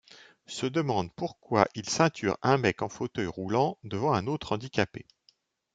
se demandent pourquoi ils ceinturent un mec en fauteuil roulant devant un autre handicapé.